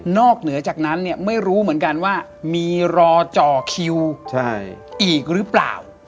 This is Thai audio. นอกเหนือจากนั้นไม่รู้เหมือนกันว่ามีรอจอคิวอีกหรือเปล่า